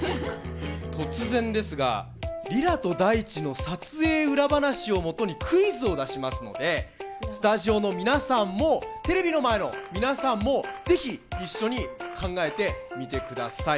突然ですが莉良と大馳の撮影裏話をもとにクイズを出しますのでスタジオの皆さんもテレビの前の皆さんもぜひ一緒に考えてみてください。